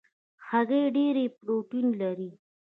هګۍ ډېره پروټین لري.